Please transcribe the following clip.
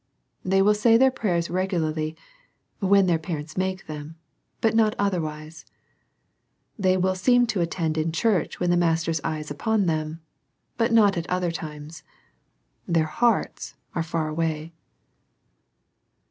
They will say their prayers regularly, when their parents make them, — but not otherwise. They will seem to attend in church when the master's eye is upon them, — ^but not at other times. Then: hearts are far away.